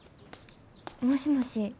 もしもし。